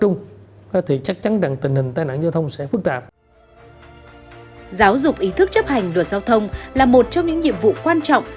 giáo dục ý thức chấp hành luật giao thông là một trong những nhiệm vụ quan trọng